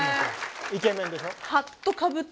イケメンでしょ？